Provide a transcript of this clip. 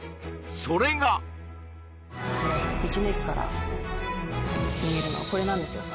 それが道の駅から見えるのこれなんですよ